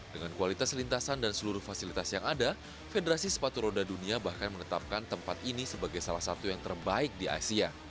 dengan kualitas lintasan dan seluruh fasilitas yang ada federasi sepatu roda dunia bahkan menetapkan tempat ini sebagai salah satu yang terbaik di asia